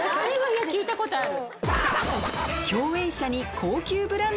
聞いたことある。